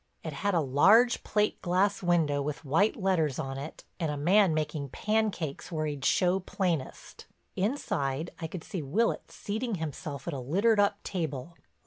It had a large plate glass window with white letters on it and a man making pancakes where he'd show plainest. Inside I could see Willitts seating himself at a littered up table.